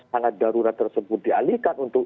sangat darurat tersebut dialihkan untuk